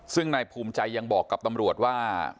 ซึ่งนายภูมิใจยังบอกกับตำรวจว่า